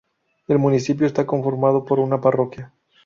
El municipio está conformado por una parroquia.